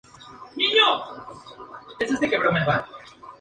El lóbulo temporal se ocupa de varias funciones, incluido el lenguaje.